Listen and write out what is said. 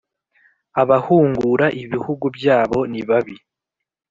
abahungura ibihugu.byabo nibabi